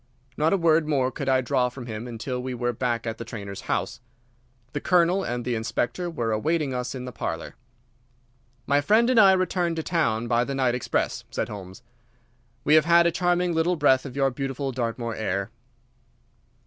Not a word more could I draw from him until we were back at the trainer's house. The Colonel and the Inspector were awaiting us in the parlour. "My friend and I return to town by the night express," said Holmes. "We have had a charming little breath of your beautiful Dartmoor air."